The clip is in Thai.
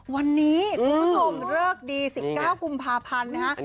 วันนี้คุณผู้ชมเลิกดี๑๙กุมภาพันธ์นะฮะ